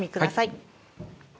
はい。